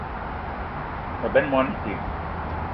Me benn moni ite